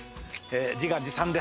自画自賛です。